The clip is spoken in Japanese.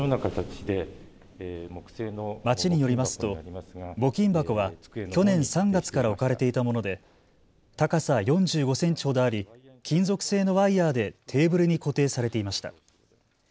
町によりますと、募金箱は去年３月から置かれていたもので高さ４５センチほどあり金属製のワイヤーでテーブルに固定されていました。